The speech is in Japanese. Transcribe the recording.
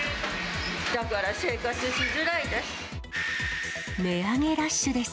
だから生活しづらいです。